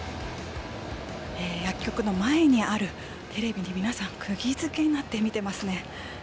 薬局の前にあるテレビで皆さんくぎ付けになって見ていますね。